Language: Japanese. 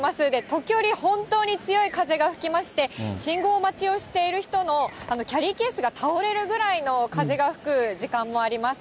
時折、本当に強い風が吹きまして、信号待ちをしている人のキャリーケースが倒れるぐらいの風が吹く時間もあります。